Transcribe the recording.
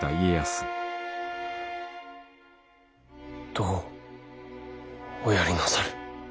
どうおやりなさる。